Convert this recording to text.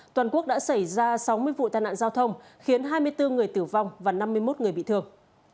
toàn quốc đã xảy ra sáu mươi vụ tai nạn giao thông khiến hai mươi bốn người tử vong và năm mươi một người bị thương